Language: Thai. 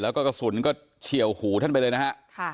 แล้วก็กระสุนก็เฉียวหูท่านไปเลยนะฮะ